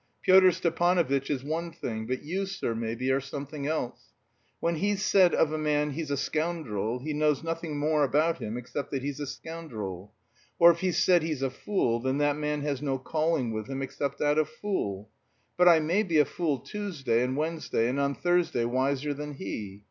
Pyotr Stepanovitch is one thing, but you, sir, maybe, are something else. When he's said of a man he's a scoundrel, he knows nothing more about him except that he's a scoundrel. Or if he's said he's a fool, then that man has no calling with him except that of fool. But I may be a fool Tuesday and Wednesday, and on Thursday wiser than he.